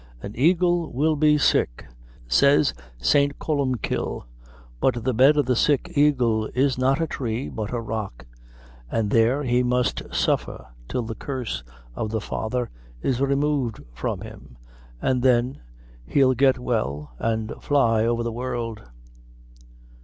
'An eagle will be sick,' says St. Columbkill, 'but the bed of the sick eagle is not a tree, but a rock; an' there, he must suffer till the curse of the Father* is removed from him; an' then he'll get well, an' fly over the world.'"